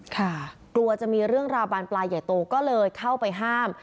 กลัวจะมีเรื่องราวบานปลายใหญ่โตก็เลยเข้าไปห้าม